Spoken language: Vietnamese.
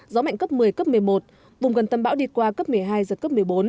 gió mạnh cấp một mươi cấp một mươi một vùng gần tâm bão đi qua cấp một mươi hai giật cấp một mươi bốn